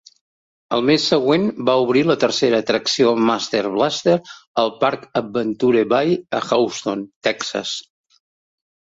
El mes següent va obrir la tercera atracció Master Blaster al parc Adventure Bay a Houston, Texas.